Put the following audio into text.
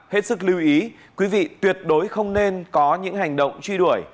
hết sức lưu ý quý vị tuyệt đối không nên có những hành động truy đuổi